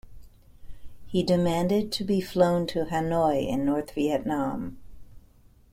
He demanded to be flown to Hanoi in North Vietnam.